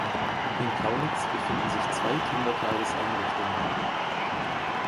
In Kaunitz befinden sich zwei Kindertageseinrichtungen.